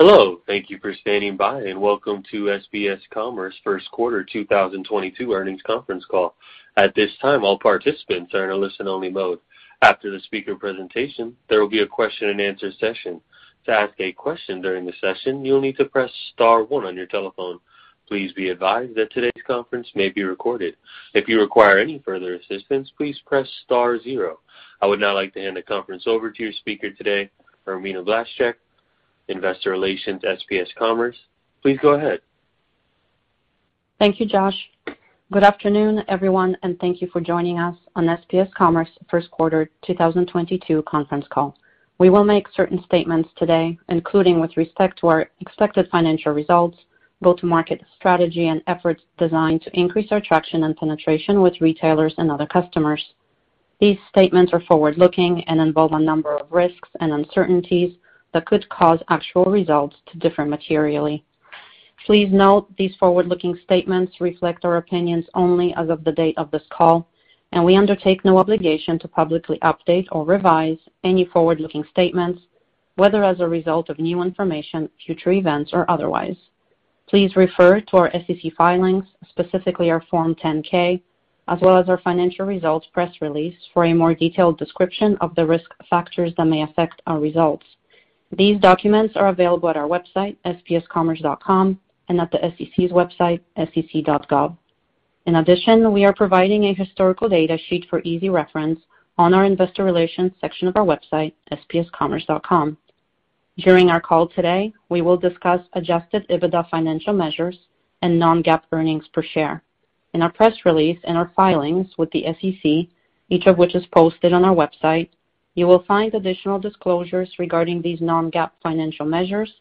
Hello, thank you for standing by, and welcome to SPS Commerce first quarter 2022 earnings conference call. At this time, all participants are in a listen only mode. After the speaker presentation, there will be a question and answer session. To ask a question during the session, you'll need to press star one on your telephone. Please be advised that today's conference may be recorded. If you require any further assistance, please press star zero. I would now like to hand the conference over to your speaker today, Irmina Blaszczyk, Investor Relations, SPS Commerce. Please go ahead. Thank you, Josh. Good afternoon, everyone, and thank you for joining us on SPS Commerce first quarter 2022 conference call. We will make certain statements today, including with respect to our expected financial results, go to market strategy, and efforts designed to increase our traction and penetration with retailers and other customers. These statements are forward-looking and involve a number of risks and uncertainties that could cause actual results to differ materially. Please note, these forward-looking statements reflect our opinions only as of the date of this call, and we undertake no obligation to publicly update or revise any forward-looking statements, whether as a result of new information, future events, or otherwise. Please refer to our SEC filings, specifically our Form 10-K, as well as our financial results press release for a more detailed description of the risk factors that may affect our results. These documents are available at our website, spscommerce.com, and at the SEC's website, sec.gov. In addition, we are providing a historical data sheet for easy reference on our investor relations section of our website, spscommerce.com. During our call today, we will discuss adjusted EBITDA financial measures and non-GAAP earnings per share. In our press release and our filings with the SEC, each of which is posted on our website, you will find additional disclosures regarding these non-GAAP financial measures,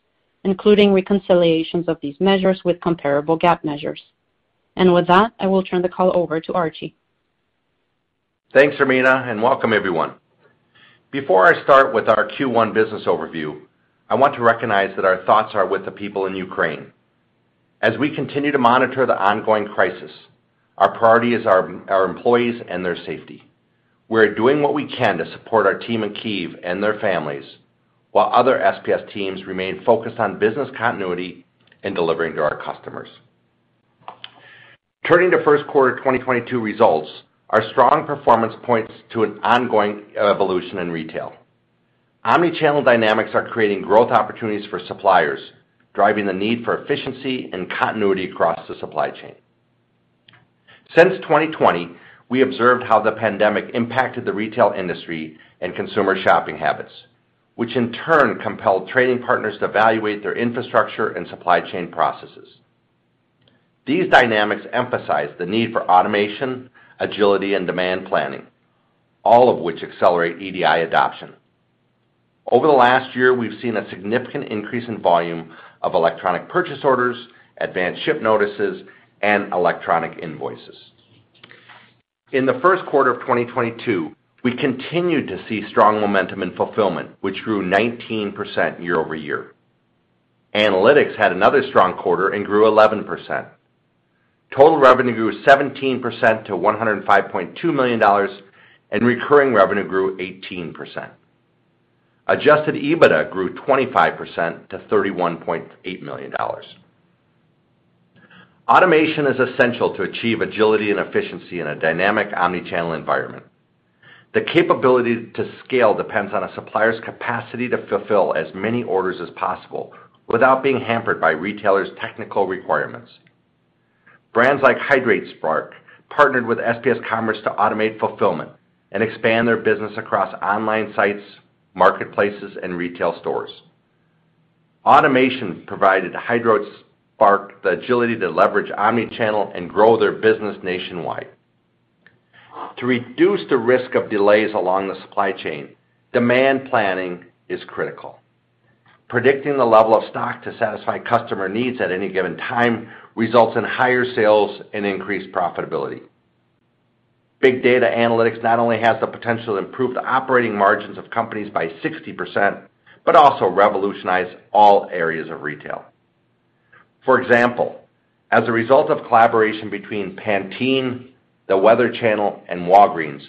including reconciliations of these measures with comparable GAAP measures. With that, I will turn the call over to Archie. Thanks, Irmina, and welcome everyone. Before I start with our Q1 business overview, I want to recognize that our thoughts are with the people in Ukraine. As we continue to monitor the ongoing crisis, our priority is our employees and their safety. We're doing what we can to support our team in Kyiv and their families, while other SPS teams remain focused on business continuity and delivering to our customers. Turning to first quarter 2022 results, our strong performance points to an ongoing evolution in retail. Omnichannel dynamics are creating growth opportunities for suppliers, driving the need for efficiency and continuity across the supply chain. Since 2020, we observed how the pandemic impacted the retail industry and consumer shopping habits, which in turn compelled trading partners to evaluate their infrastructure and supply chain processes. These dynamics emphasize the need for automation, agility, and demand planning, all of which accelerate EDI adoption. Over the last year, we've seen a significant increase in volume of electronic purchase orders, advance ship notices, and electronic invoices. In the first quarter of 2022, we continued to see strong momentum in Fulfillment, which grew 19% year-over-year. Analytics had another strong quarter and grew 11%. Total revenue grew 17% to $105.2 million, and recurring revenue grew 18%. Adjusted EBITDA grew 25% to $31.8 million. Automation is essential to achieve agility and efficiency in a dynamic omnichannel environment. The capability to scale depends on a supplier's capacity to fulfill as many orders as possible without being hampered by retailers' technical requirements. Brands like HidrateSpark partnered with SPS Commerce to automate Fulfillment and expand their business across online sites, marketplaces, and retail stores. Automation provided HidrateSpark the agility to leverage omnichannel and grow their business nationwide. To reduce the risk of delays along the supply chain, demand planning is critical. Predicting the level of stock to satisfy customer needs at any given time results in higher sales and increased profitability. Big data analytics not only has the potential to improve the operating margins of companies by 60%, but also revolutionize all areas of retail. For example, as a result of collaboration between Pantene, The Weather Channel, and Walgreens,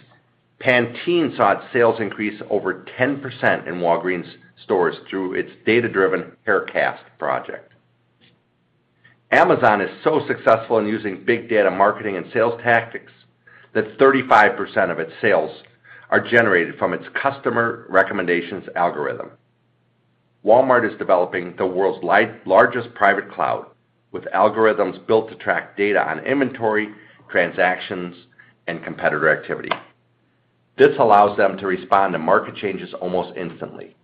Pantene saw its sales increase over 10% in Walgreens stores through its data-driven Haircast project. Amazon is so successful in using big data marketing and sales tactics that 35% of its sales are generated from its customer recommendations algorithm. Walmart is developing the world's largest private cloud with algorithms built to track data on inventory, transactions, and competitor activity. This allows them to respond to market changes almost instantly.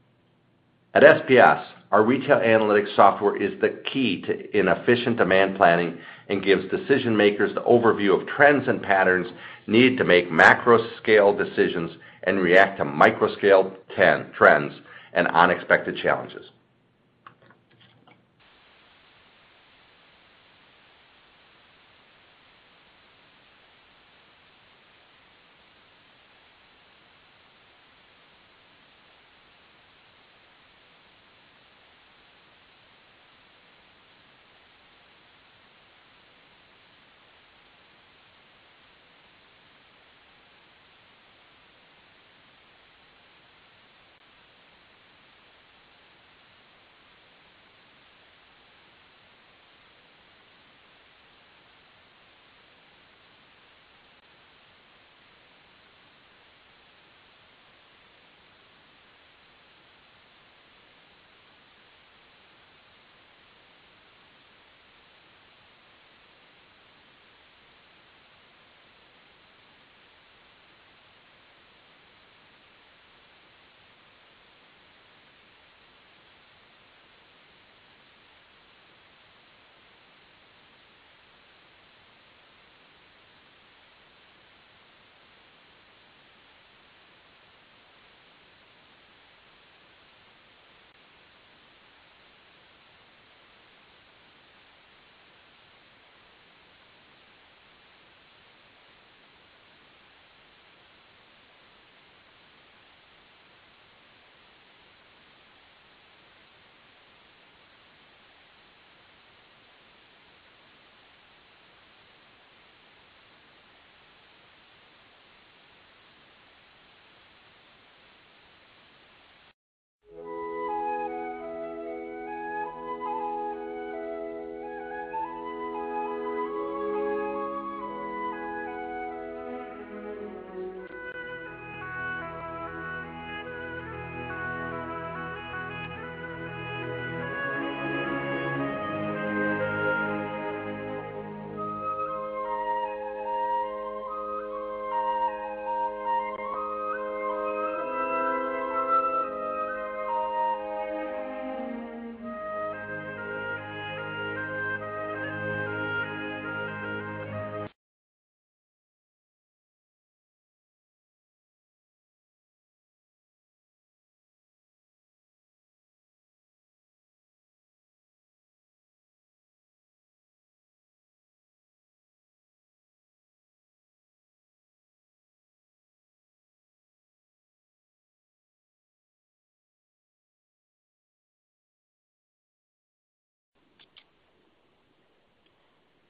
At SPS, our retail analytics software is the key to an efficient demand planning and gives decision-makers the overview of trends and patterns needed to make macro-scale decisions and react to micro-scale trends and unexpected challenges.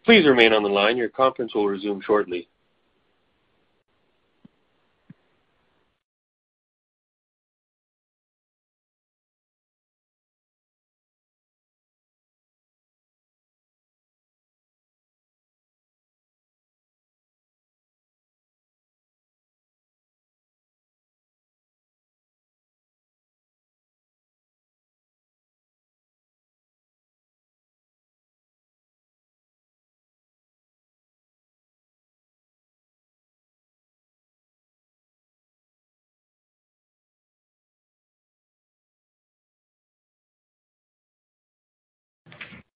Please remain on the line. Your conference will resume shortly.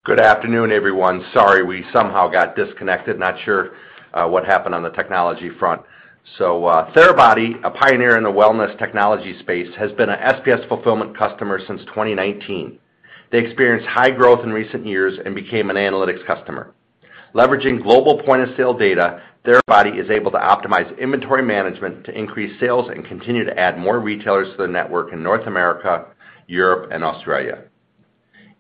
Good afternoon, everyone. Sorry, we somehow got disconnected. Not sure what happened on the technology front. Therabody, a pioneer in the wellness technology space, has been an SPS Fulfillment customer since 2019. They experienced high growth in recent years and became an Analytics customer. Leveraging global point-of-sale data, Therabody is able to optimize inventory management to increase sales and continue to add more retailers to the network in North America, Europe, and Australia.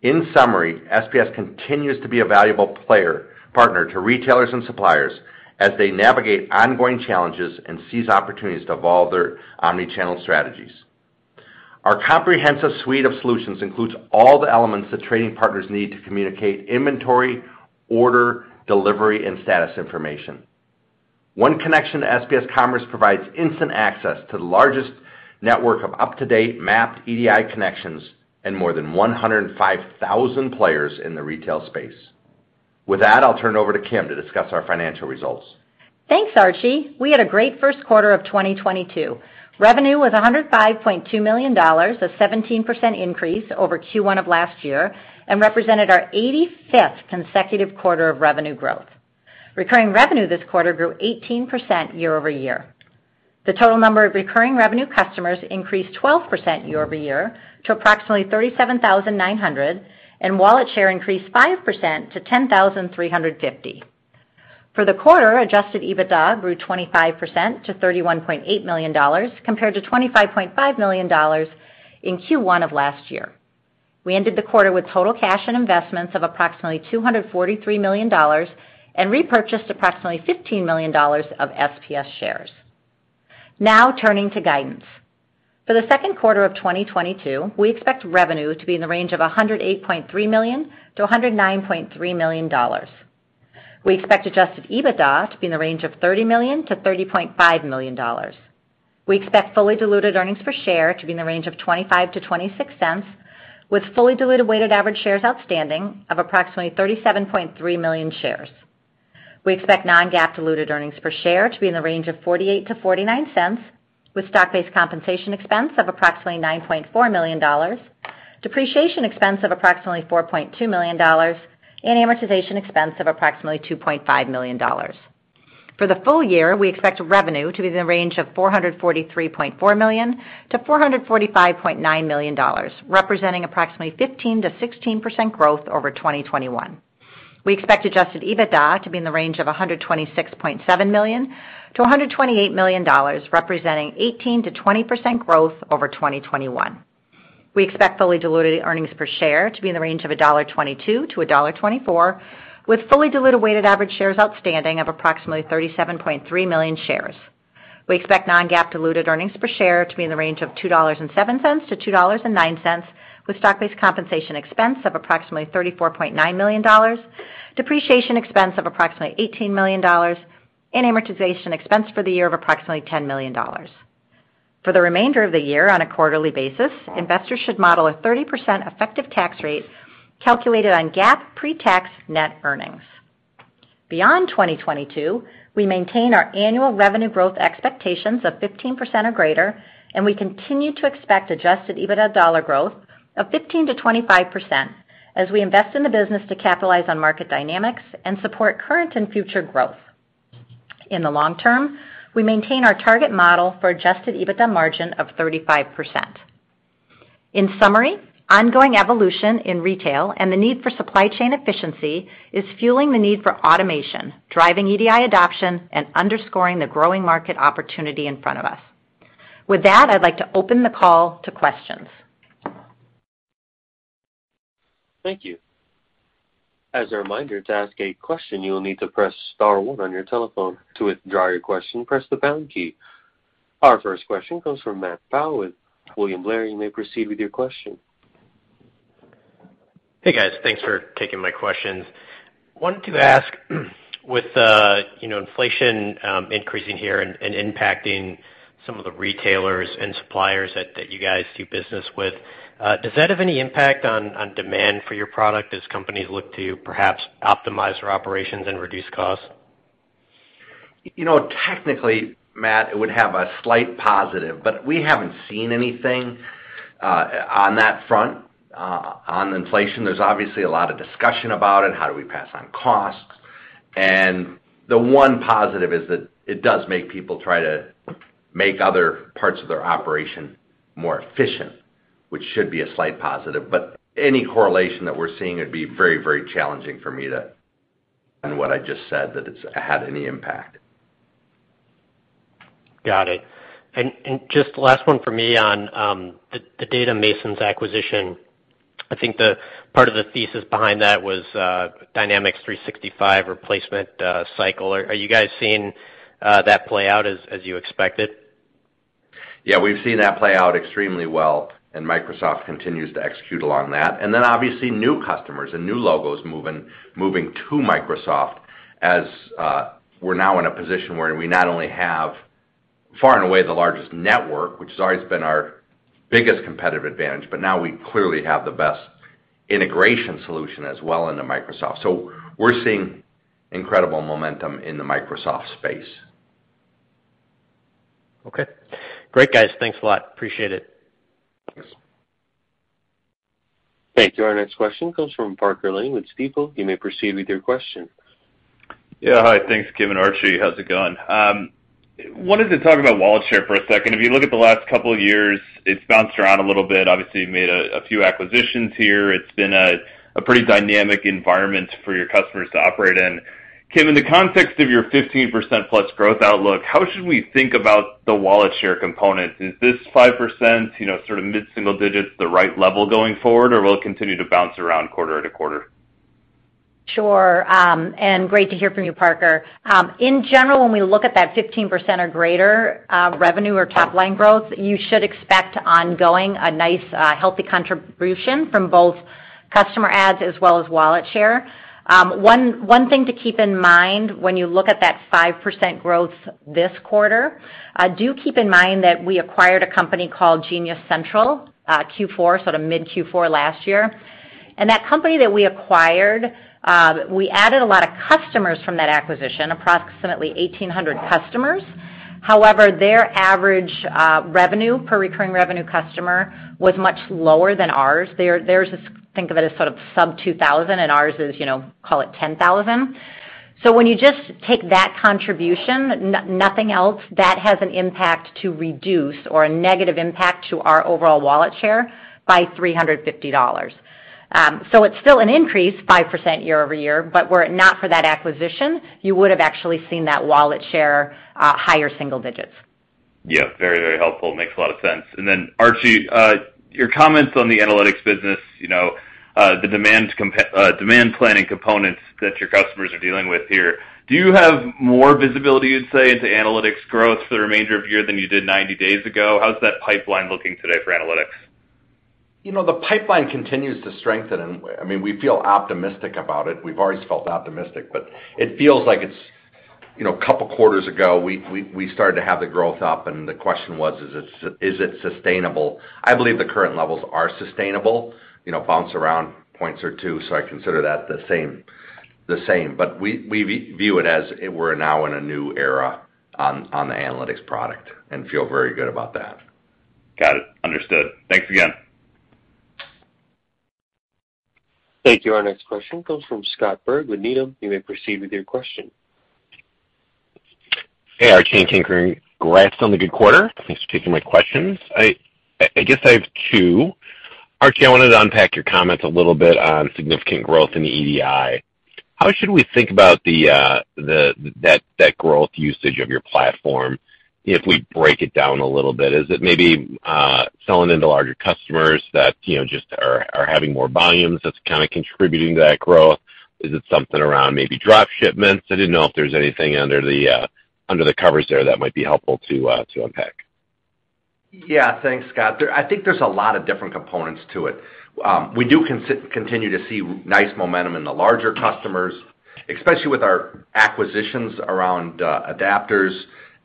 In summary, SPS continues to be a valuable player partner to retailers and suppliers as they navigate ongoing challenges and seize opportunities to evolve their omnichannel strategies. Our comprehensive suite of solutions includes all the elements that trading partners need to communicate inventory, order, delivery, and status information. One connection to SPS Commerce provides instant access to the largest network of up-to-date mapped EDI connections and more than 105,000 players in the retail space. With that, I'll turn over to Kim to discuss our financial results. Thanks, Archie. We had a great first quarter of 2022. Revenue was $105.2 million, a 17% increase over Q1 of last year, and represented our 85th consecutive quarter of revenue growth. Recurring revenue this quarter grew 18% year-over-year. The total number of recurring revenue customers increased 12% year-over-year to approximately 37,900, and wallet share increased 5% to 10,350. For the quarter, adjusted EBITDA grew 25% to $31.8 million compared to $25.5 million in Q1 of last year. We ended the quarter with total cash and investments of approximately $243 million and repurchased approximately $15 million of SPS shares. Now turning to guidance. For the second quarter of 2022, we expect revenue to be in the range of $108.3 million-$109.3 million. We expect adjusted EBITDA to be in the range of $30 million-$30.5 million. We expect fully diluted earnings per share to be in the range of $0.25-$0.26, with fully diluted weighted average shares outstanding of approximately 37.3 million shares. We expect non-GAAP diluted earnings per share to be in the range of $0.48-$0.49, with stock-based compensation expense of approximately $9.4 million, depreciation expense of approximately $4.2 million, and amortization expense of approximately $2.5 million. For the full year, we expect revenue to be in the range of $443.4 million-$445.9 million, representing approximately 15%-16% growth over 2021. We expect adjusted EBITDA to be in the range of $126.7 million-$128 million, representing 18%-20% growth over 2021. We expect fully diluted earnings per share to be in the range of $1.22-$1.24, with fully diluted weighted average shares outstanding of approximately 37.3 million shares. We expect non-GAAP diluted earnings per share to be in the range of $2.07-$2.09, with stock-based compensation expense of approximately $34.9 million, depreciation expense of approximately $18 million, and amortization expense for the year of approximately $10 million. For the remainder of the year on a quarterly basis, investors should model a 30% effective tax rate calculated on GAAP pre-tax net earnings. Beyond 2022, we maintain our annual revenue growth expectations of 15% or greater, and we continue to expect adjusted EBITDA dollar growth of 15%-25% as we invest in the business to capitalize on market dynamics and support current and future growth. In the long term, we maintain our target model for adjusted EBITDA margin of 35%. In summary, ongoing evolution in retail and the need for supply chain efficiency is fueling the need for automation, driving EDI adoption, and underscoring the growing market opportunity in front of us. With that, I'd like to open the call to questions. Thank you. As a reminder, to ask a question, you will need to press star one on your telephone. To withdraw your question, press the pound key. Our first question comes from Matt Pfau with William Blair. You may proceed with your question. Hey, guys. Thanks for taking my questions. Wanted to ask, with, you know, inflation, increasing here and impacting some of the retailers and suppliers that you guys do business with, does that have any impact on demand for your product as companies look to perhaps optimize their operations and reduce costs? You know, technically, Matt, it would have a slight positive, but we haven't seen anything on that front. On inflation, there's obviously a lot of discussion about it. How do we pass on costs? The one positive is that it does make people try to make other parts of their operation more efficient, which should be a slight positive. Any correlation that we're seeing, it'd be very, very challenging for me to. What I just said, that it's had any impact. Got it. Just last one for me on the Data Masons acquisition. I think the part of the thesis behind that was Dynamics 365 replacement cycle. Are you guys seeing that play out as you expected? Yeah, we've seen that play out extremely well, and Microsoft continues to execute along that. Obviously new customers and new logos moving to Microsoft as we're now in a position where we not only have far and away the largest network, which has always been our biggest competitive advantage, but now we clearly have the best integration solution as well into Microsoft. We're seeing incredible momentum in the Microsoft space. Okay. Great, guys. Thanks a lot. Appreciate it. Thanks. Thank you. Our next question comes from Parker Lane with Stifel. You may proceed with your question. Yeah. Hi. Thanks, Kim and Archie. How's it going? Wanted to talk about wallet share for a second. If you look at the last couple of years, it's bounced around a little bit. Obviously, you made a few acquisitions here. It's been a pretty dynamic environment for your customers to operate in. Kim, in the context of your 15%+ growth outlook, how should we think about the wallet share component? Is this 5%, you know, sort of mid-single digits the right level going forward, or will it continue to bounce around quarter to quarter? Sure, great to hear from you, Parker. In general, when we look at that 15% or greater revenue or top line growth, you should expect ongoing a nice healthy contribution from both customer adds as well as wallet share. One thing to keep in mind when you look at that 5% growth this quarter, do keep in mind that we acquired a company called Genius Central, Q4, sort of mid-Q4 last year. That company that we acquired, we added a lot of customers from that acquisition, approximately 1,800 customers. However, their average revenue per recurring revenue customer was much lower than ours. Theirs is, think of it as sort of sub $2,000, and ours is, you know, call it $10,000. When you just take that contribution, nothing else, that has an impact to reduce or a negative impact to our overall wallet share by $350. It's still an increase, 5% year-over-year, but were it not for that acquisition, you would have actually seen that wallet share higher single digits. Yeah, very helpful. Makes a lot of sense. Archie, your comments on the Analytics business, you know, the demand planning components that your customers are dealing with here, do you have more visibility, you'd say, into Analytics growth for the remainder of the year than you did 90 days ago? How's that pipeline looking today for Analytics? You know, the pipeline continues to strengthen, and, I mean, we feel optimistic about it. We've always felt optimistic, but it feels like it's, you know, a couple quarters ago, we started to have the growth up, and the question was, is it sustainable? I believe the current levels are sustainable, you know, bounce around a point or two, so I consider that the same. We view it as we're now in a new era on the Analytics product and feel very good about that. Got it. Understood. Thanks again. Thank you. Our next question comes from Scott Berg with Needham. You may proceed with your question. Hey, Archie and Kim. Congrats on the good quarter. Thanks for taking my questions. I guess I have two. Archie, I wanted to unpack your comments a little bit on significant growth in the EDI. How should we think about the growth usage of your platform if we break it down a little bit? Is it maybe selling into larger customers that you know just are having more volumes that's kinda contributing to that growth? Is it something around maybe drop shipments? I didn't know if there's anything under the covers there that might be helpful to unpack. Yeah. Thanks, Scott. I think there's a lot of different components to it. We do continue to see nice momentum in the larger customers, especially with our acquisitions around adapters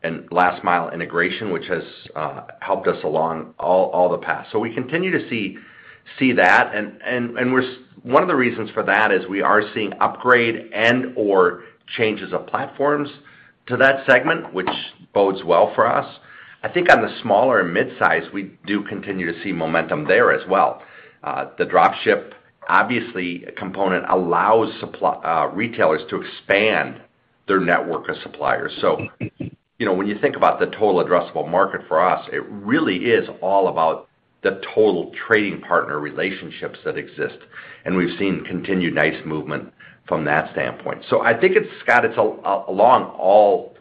and last mile integration, which has helped us along all the path. We continue to see that and one of the reasons for that is we are seeing upgrade and/or changes of platforms to that segment, which bodes well for us. I think on the smaller and mid-size, we do continue to see momentum there as well. The drop ship, obviously, component allows retailers to expand their network of suppliers. You know, when you think about the total addressable market for us, it really is all about the total trading partner relationships that exist, and we've seen continued nice movement from that standpoint. I think it's, Scott, along all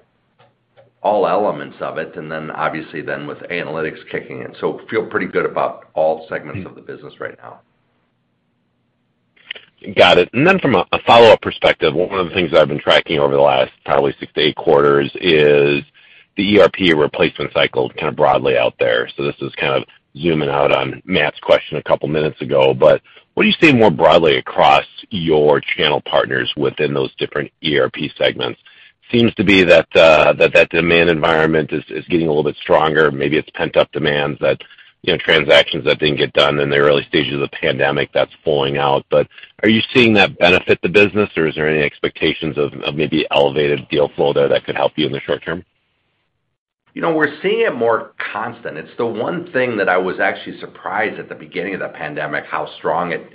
elements of it, and then obviously with Analytics kicking in. Feel pretty good about all segments of the business right now. Got it. From a follow-up perspective, one of the things that I've been tracking over the last probably six to eight quarters is the ERP replacement cycle kind of broadly out there. This is kind of zooming out on Matt's question a couple minutes ago, but what are you seeing more broadly across your channel partners within those different ERP segments? Seems to be that the demand environment is getting a little bit stronger. Maybe it's pent-up demand that, you know, transactions that didn't get done in the early stages of the pandemic that's falling out. Are you seeing that benefit the business, or is there any expectation of maybe elevated deal flow there that could help you in the short term? You know, we're seeing it more constant. It's the one thing that I was actually surprised at the beginning of the pandemic, how strong it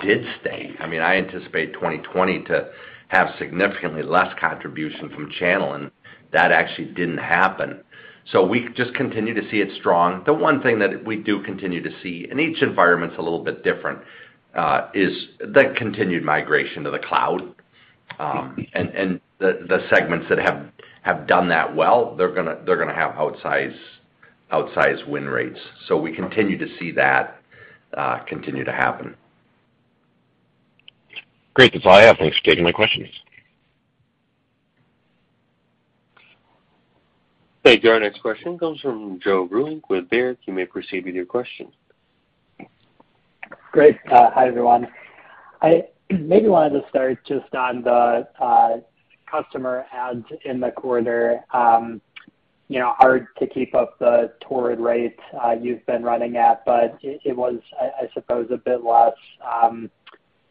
did stay. I mean, I anticipate 2020 to have significantly less contribution from channel, and that actually didn't happen. We just continue to see it strong. The one thing that we do continue to see, and each environment's a little bit different, is the continued migration to the cloud, and the segments that have done that well, they're gonna have outsized win rates. We continue to see that continue to happen. Great. That's all I have. Thanks for taking my questions. Thank you. Our next question comes from Joe Vruwink with Baird. You may proceed with your question. Great. Hi, everyone. I maybe wanted to start just on the customer adds in the quarter. You know, hard to keep up the torrid rate you've been running at, but it was, I suppose, a bit less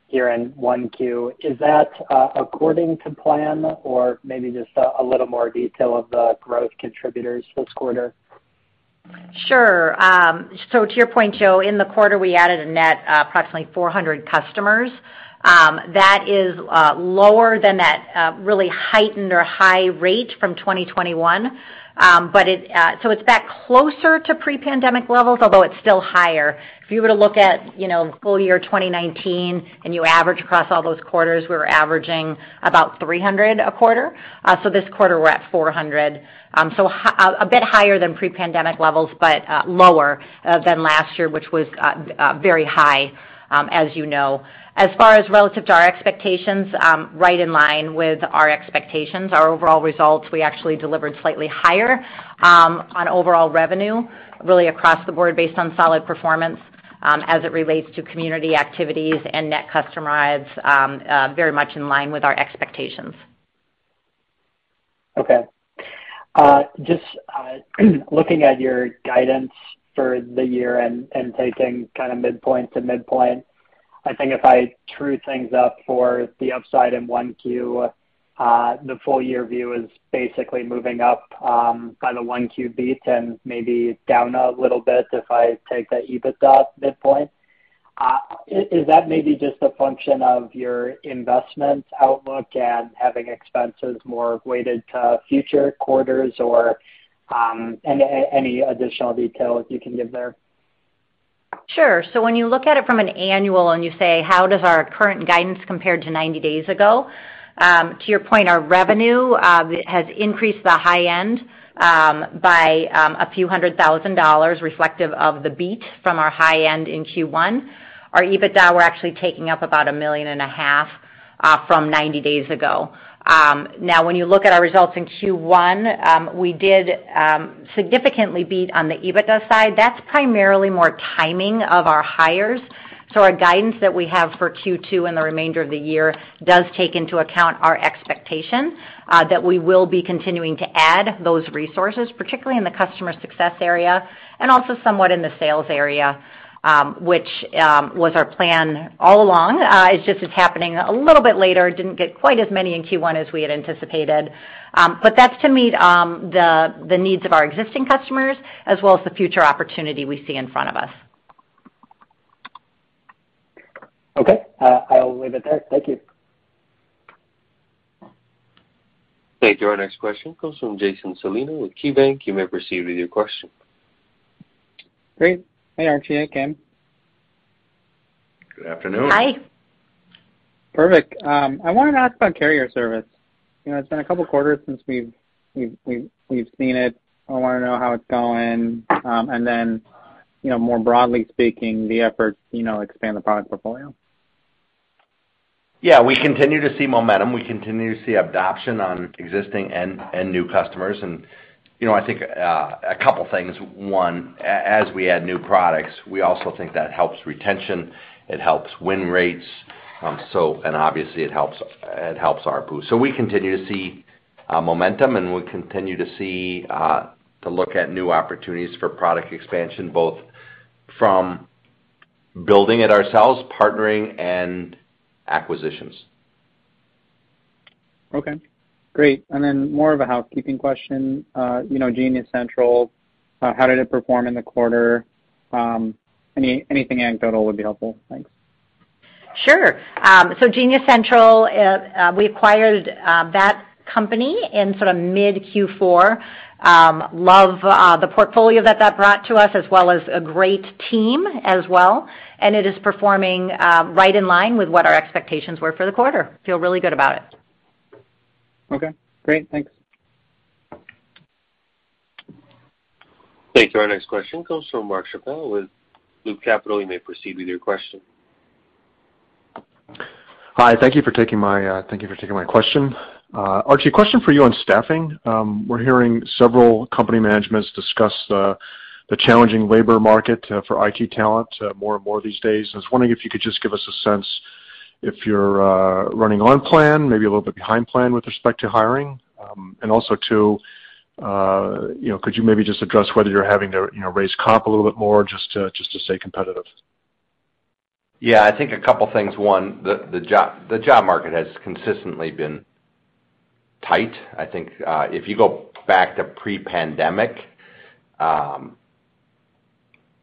here in 1Q. Is that according to plan, or maybe just a little more detail of the growth contributors this quarter? Sure. To your point, Joe, in the quarter we added a net approximately 400 customers. That is lower than that really heightened or high rate from 2021. It's back closer to pre-pandemic levels, although it's still higher. If you were to look at, you know, full year 2019 and you average across all those quarters, we were averaging about 300 a quarter. This quarter we're at 400. A bit higher than pre-pandemic levels, but lower than last year, which was very high, as you know. As far as relative to our expectations, right in line with our expectations. Our overall results, we actually delivered slightly higher on overall revenue, really across the board based on solid performance as it relates to community activities and net customer adds very much in line with our expectations. Okay. Just looking at your guidance for the year and taking kinda midpoint to midpoint, I think if I true things up for the upside in 1Q, the full year view is basically moving up by the 1Q beat and maybe down a little bit if I take the EBITDA midpoint. Is that maybe just a function of your investment outlook and having expenses more weighted to future quarters or any additional details you can give there? Sure. When you look at it from an annual and you say, how does our current guidance compare to 90 days ago, to your point, our revenue has increased the high end by a few $100,000 reflective of the beat from our high end in Q1. Our EBITDA, we're actually taking up about $1.5 million from 90 days ago. Now when you look at our results in Q1, we did significantly beat on the EBITDA side. That's primarily the timing of our hires. Our guidance that we have for Q2 and the remainder of the year does take into account our expectation that we will be continuing to add those resources, particularly in the customer success area and also somewhat in the sales area, which was our plan all along. It's just happening a little bit later. Didn't get quite as many in Q1 as we had anticipated. That's to meet the needs of our existing customers as well as the future opportunity we see in front of us. Okay. I'll leave it there. Thank you. Thank you. Our next question comes from Jason Celino with KeyBanc Capital Markets. You may proceed with your question. Great. Hey, Archie, hey, Kim. Good afternoon. Hi. Perfect. I wanna ask about Carrier Service. You know, it's been a couple quarters since we've seen it. I wanna know how it's going. Then, you know, more broadly speaking, the effort, you know, to expand the product portfolio. Yeah, we continue to see momentum. We continue to see adoption on existing and new customers. You know, I think a couple things. One, as we add new products, we also think that helps retention, it helps win rates. Obviously, it helps our moat. We continue to see momentum, and we continue to look at new opportunities for product expansion, both from building it ourselves, partnering, and acquisitions. Okay, great. More of a housekeeping question. You know, Genius Central, how did it perform in the quarter? Anything anecdotal would be helpful. Thanks. Sure. Genius Central, we acquired that company in sort of mid Q4. Love the portfolio that brought to us, as well as a great team as well. It is performing right in line with what our expectations were for the quarter. Feel really good about it. Okay, great. Thanks. Thank you. Our next question comes from Mark Schappel with Loop Capital Markets. You may proceed with your question. Hi. Thank you for taking my question. Archie, question for you on staffing. We're hearing several company managements discuss the challenging labor market for IT talent more and more these days. I was wondering if you could just give us a sense if you're running on plan, maybe a little bit behind plan with respect to hiring. Also, you know, could you maybe just address whether you're having to, you know, raise comp a little bit more just to stay competitive? Yeah, I think a couple things. One, the job market has consistently been tight. I think, if you go back to pre-pandemic,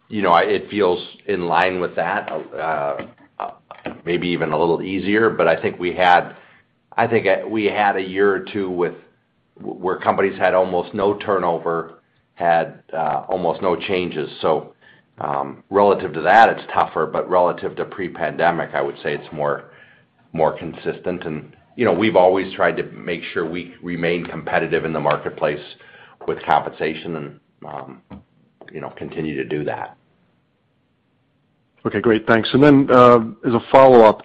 you know, it feels in line with that, maybe even a little easier. But I think we had a year or two where companies had almost no turnover, had almost no changes. So, relative to that it's tougher, but relative to pre-pandemic, I would say it's more consistent. You know, we've always tried to make sure we remain competitive in the marketplace with compensation and, you know, continue to do that. Okay, great. Thanks. As a follow-up,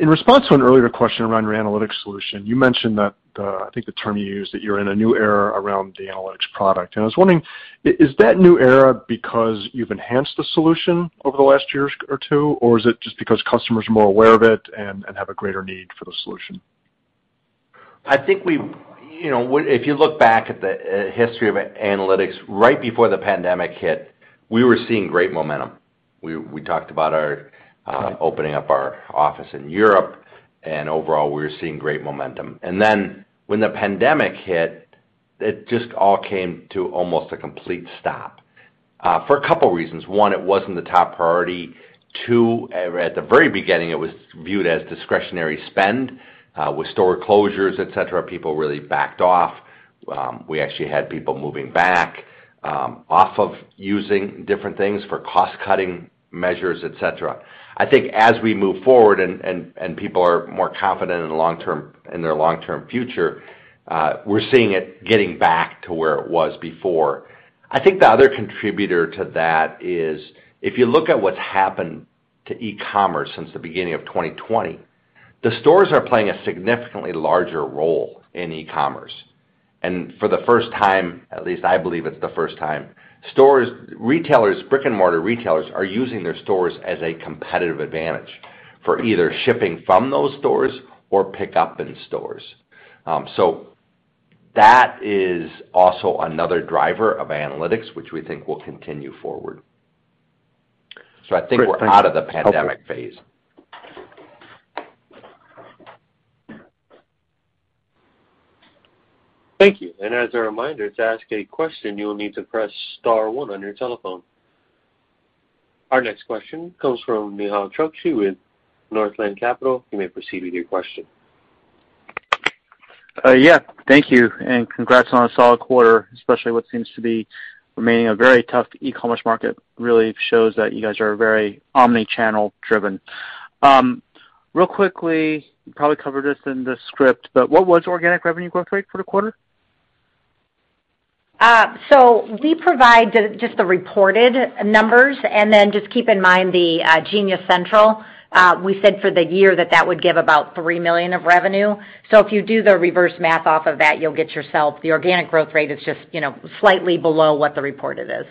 in response to an earlier question around your Analytics solution, you mentioned that, I think the term you used, that you're in a new era around the Analytics product. I was wondering, is that new era because you've enhanced the solution over the last year or two, or is it just because customers are more aware of it and have a greater need for the solution? I think. You know, if you look back at the history of Analytics, right before the pandemic hit, we were seeing great momentum. We talked about our opening up our office in Europe, and overall, we were seeing great momentum. When the pandemic hit, it just all came to almost a complete stop, for a couple reasons. One, it wasn't the top priority. Two, at the very beginning, it was viewed as discretionary spend. With store closures, et cetera, people really backed off. We actually had people moving back off of using different things for cost-cutting measures, et cetera. I think as we move forward and people are more confident in the long term, in their long-term future, we're seeing it getting back to where it was before. I think the other contributor to that is, if you look at what's happened to e-commerce since the beginning of 2020, the stores are playing a significantly larger role in e-commerce. For the first time, at least I believe it's the first time, stores, retailers, brick and mortar retailers are using their stores as a competitive advantage for either shipping from those stores or pick up in stores. So that is also another driver of Analytics which we think will continue forward. Great. Thank you. I think we're out of the pandemic phase. Thank you. As a reminder, to ask a question, you will need to press star one on your telephone. Our next question comes from Nehal Chokshi with Northland Capital Markets. You may proceed with your question. Yeah. Thank you, and congrats on a solid quarter, especially what seems to be remaining a very tough e-commerce market, really shows that you guys are very omnichannel driven. Real quickly, you probably covered this in the script, but what was organic revenue growth rate for the quarter? We provide just the reported numbers, and then just keep in mind the Genius Central, we said for the year that that would give about $3 million of revenue. If you do the reverse math off of that, you'll get yourself the organic growth rate is just, you know, slightly below what the reported is.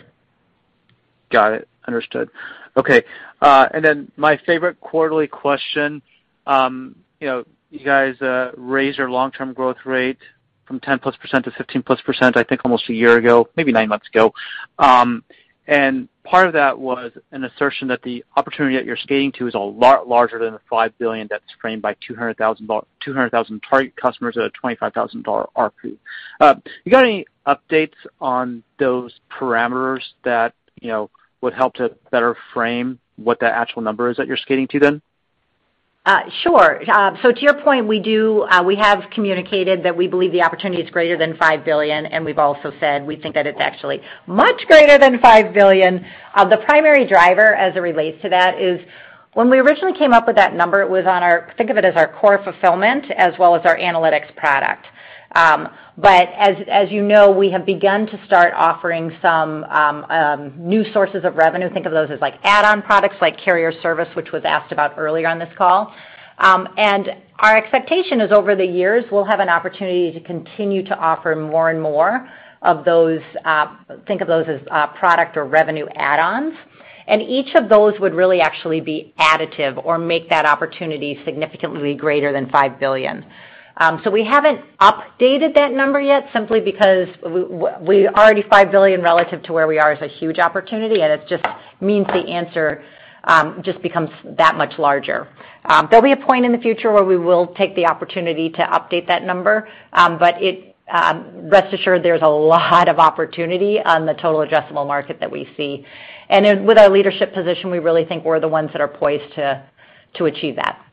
Got it. Understood. Okay. Then my favorite quarterly question. You know, you guys raised your long-term growth rate from 10%+ to 15%+, I think almost a year ago, maybe nine months ago. Part of that was an assertion that the opportunity that you're scaling to is a lot larger than the $5 billion that's framed by 200,000 target customers at a $25,000 ARPU. You got any updates on those parameters that, you know, would help to better frame what the actual number is that you're scaling to then? To your point, we have communicated that we believe the opportunity is greater than $5 billion, and we've also said we think that it's actually much greater than $5 billion. The primary driver as it relates to that is when we originally came up with that number, it was, think of it as our core Fulfillment as well as our Analytics product. As you know, we have begun to start offering some new sources of revenue. Think of those as like add-on products like Carrier Service, which was asked about earlier on this call. Our expectation is over the years, we'll have an opportunity to continue to offer more and more of those, think of those as product or revenue add-ons. Each of those would really actually be additive or make that opportunity significantly greater than $5 billion. So we haven't updated that number yet simply because we already $5 billion relative to where we are is a huge opportunity, and it just means the answer just becomes that much larger. There'll be a point in the future where we will take the opportunity to update that number, but rest assured there's a lot of opportunity on the total addressable market that we see. With our leadership position, we really think we're the ones that are poised to achieve that.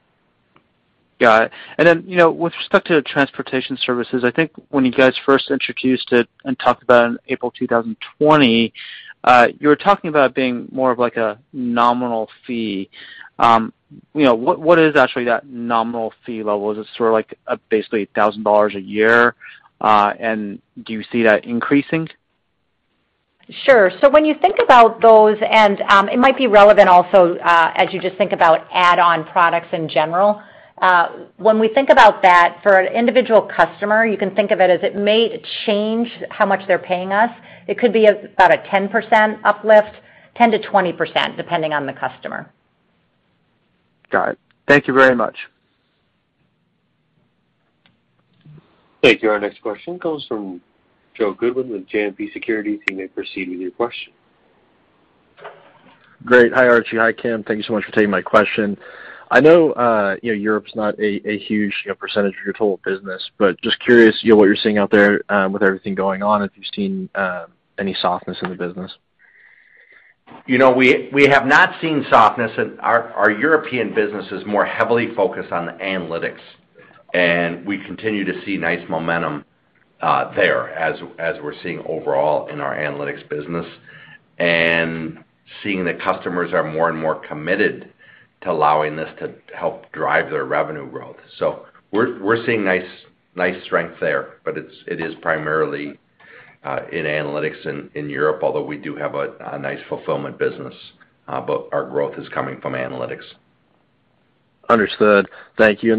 Got it. You know, with respect to transportation services, I think when you guys first introduced it and talked about it in April 2020, you were talking about being more of like a nominal fee. You know, what is actually that nominal fee level? Is it sort of like basically $1,000 a year? Do you see that increasing? Sure. When you think about those, it might be relevant also as you just think about add-on products in general. When we think about that for an individual customer, you can think of it as it may change how much they're paying us. It could be about a 10% uplift, 10%-20%, depending on the customer. Got it. Thank you very much. Thank you. Our next question comes from Joe Goodwin with JMP Securities. You may proceed with your question. Great. Hi, Archie. Hi, Kim. Thank you so much for taking my question. I know, you know, Europe's not a huge, you know, percentage of your total business, but just curious, you know, what you're seeing out there, with everything going on, if you've seen any softness in the business? You know, we have not seen softness, and our European business is more heavily focused on the Analytics. We continue to see nice momentum there as we're seeing overall in our Analytics business. Seeing the customers are more and more committed to allowing this to help drive their revenue growth. We're seeing nice strength there, but it is primarily in Analytics in Europe, although we do have a nice Fulfillment business, but our growth is coming from Analytics. Understood. Thank you.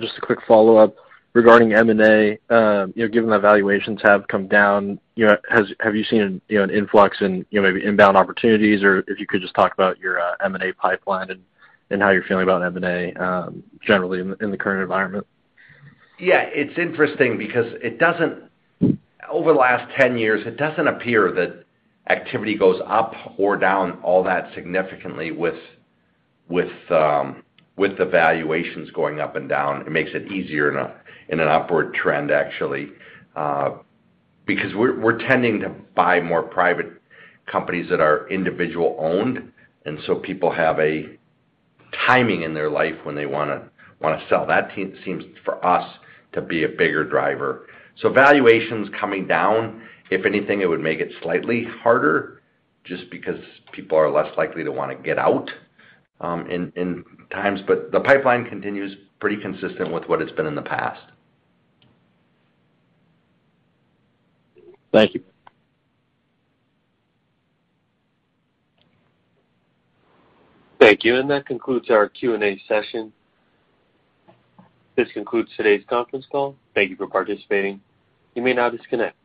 Just a quick follow-up regarding M&A. You know, given the valuations have come down, you know, have you seen an influx in, you know, maybe inbound opportunities, or if you could just talk about your M&A pipeline and how you're feeling about M&A generally in the current environment? Yeah. It's interesting because over the last 10 years, it doesn't appear that activity goes up or down all that significantly with the valuations going up and down. It makes it easier in an upward trend actually, because we're tending to buy more private companies that are individually owned, and so people have a time in their life when they wanna sell. That seems for us to be a bigger driver. Valuations coming down, if anything, it would make it slightly harder just because people are less likely to wanna get out in times. The pipeline continues pretty consistent with what it's been in the past. Thank you. Thank you. That concludes our Q&A session. This concludes today's conference call. Thank you for participating. You may now disconnect.